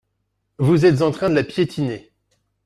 Vous êtes en train de la piétiner.